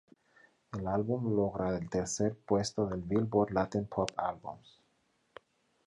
El álbum logra el tercer puesto del "Billboard Latin Pop Albums".